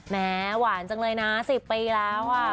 หวานจังเลยนะ๑๐ปีแล้ว